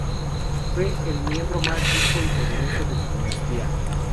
Fue el miembro más rico y poderoso de su dinastía.